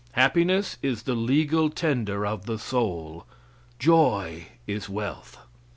Happiness is the legal tender of the soul. Joy is wealth.